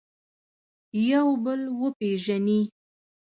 یو بل وپېژني.